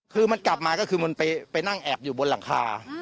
คือมันกลับมาก็คือมันไปนั่งแอบอยู่บนหลังคา